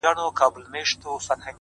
• د ده په اشعارو کي پروت دی -